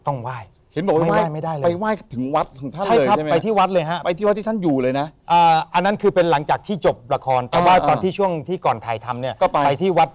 จิ้งจกจ้องหน้า